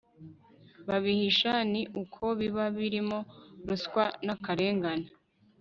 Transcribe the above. babihisha ni uko biba birimo ruswa nakarengane